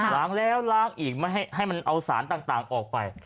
ล้างแล้วล้างอีกไม่ให้มันเอาสารต่างออกไป